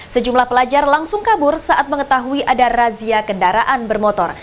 sejumlah pelajar langsung kabur saat mengetahui ada razia kendaraan bermotor